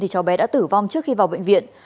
cháu bé đã tử vong trước khi vào bệnh viện